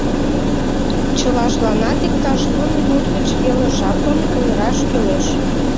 Чылажланат иктаж лу минут гыч веле жапым ойыраш кӱлеш.